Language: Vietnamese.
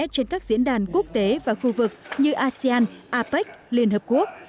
trên các diễn đàn quốc tế và khu vực như asean apec liên hợp quốc